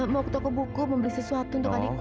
mau ke toko buku mau beli sesuatu untuk adikku